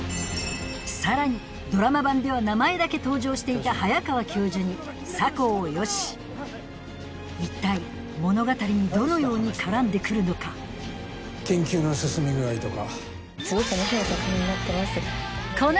さらにドラマ版では名前だけ登場していた一体物語にどのように絡んで来るのか研究の進み具合とか。